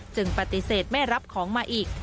ปฏิเสธไม่รับของมาอีก